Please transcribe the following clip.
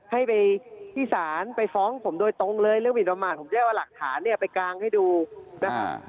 ให้ไปที่ศาลไปฟ้องผมโดยตรงเลยเรื่องหมินประมาทผมจะเอาหลักฐานเนี่ยไปกางให้ดูนะฮะ